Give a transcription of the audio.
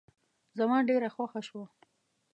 زما ډېره خوښه شوه.